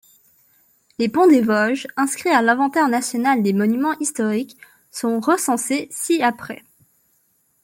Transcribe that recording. Les ponts des Vosges inscrits à l’inventaire national des monuments historiques sont recensés ci-après.